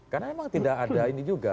karena emang tidak ada ini juga